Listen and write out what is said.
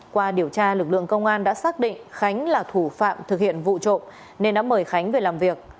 qua điều tra lực lượng công an đã xác định khánh là thủ phạm thực hiện vụ trộm nên đã mời khánh về làm việc